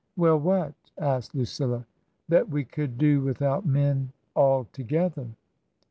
" Well, what ?" asked Lucilla. "That we could do without men — altogether.